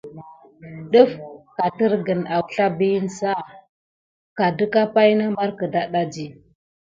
Dəf katergən awsla biyin sa? Ka diy pay na bare kidanti.